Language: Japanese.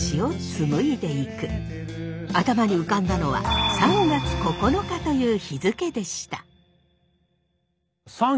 頭に浮かんだのは３月９日という日付でした。